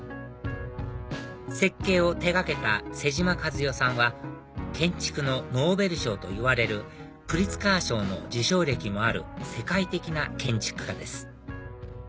設計を手がけた妹島和世さんは建築のノーベル賞といわれるプリツカー賞の受賞歴もある世界的な建築家です